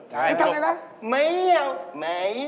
ไม่เอาไม่เอา